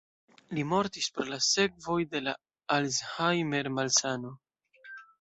Li mortis pro la sekvoj de la Alzheimer-malsano.